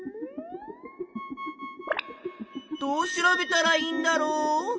どう調べたらいいんだろう？